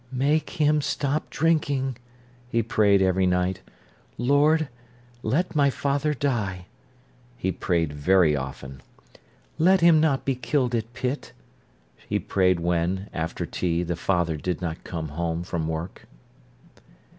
"Make him stop drinking," he prayed every night. "Lord, let my father die," he prayed very often. "Let him not be killed at pit," he prayed when, after tea, the father did not come home from work.